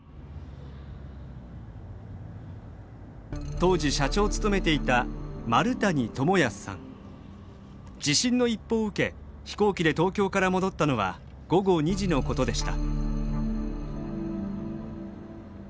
当時社長を務めていた地震の一報を受け飛行機で東京から戻ったのは午後２時のことでした。